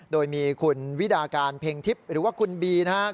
โดยมีคุณวิดาการเพ็งทิพย์หรือว่าคุณบีนะครับ